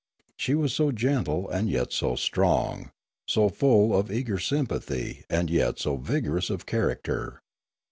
She was so gentle and yet so strong, so full of eager sympathy and yet so vigorous of character.